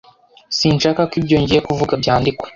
Sinshaka ko ibyo ngiye kuvuga byandikwa.